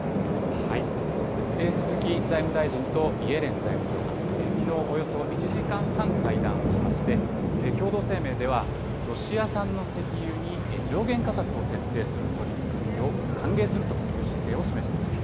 鈴木財務大臣とイエレン財務長官、きのう、およそ１時間半会談をしまして、共同声明では、ロシア産の石油に上限価格を設定する取り組みを歓迎するという姿勢を示しました。